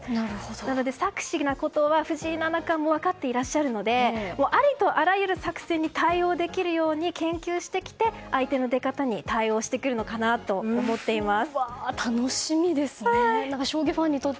なので、策士なことは藤井七冠も分かっていらっしゃるのでありとあらゆる作戦に対応できるように研究してきて相手の出方に対応してくるかなと思っています。